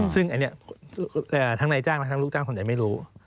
ซึ่งทั้งในจ้างและลูกจ้างส่วนใหญ่ไม่รู้